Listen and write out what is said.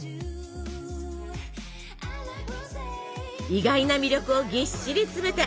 意外な魅力をぎっしり詰めて！